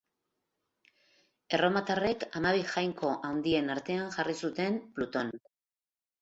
Erromatarrek hamabi jainko handien artean jarri zuten Pluton.